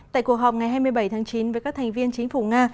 tại cuộc họp ngày hai mươi bảy tháng chín với các thành viên chính phủ nga